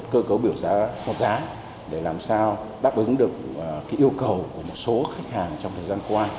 cơ cấu biểu giá một giá để làm sao đáp ứng được yêu cầu của một số khách hàng trong thời gian qua